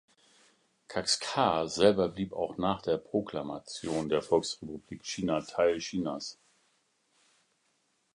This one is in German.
Kaxgar selber blieb auch nach der Proklamation der Volksrepublik China Teil Chinas.